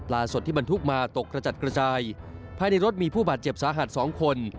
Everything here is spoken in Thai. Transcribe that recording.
สดที่บรรทุกมาตกกระจัดกระจายภายในรถมีผู้บาดเจ็บสาหัส๒คน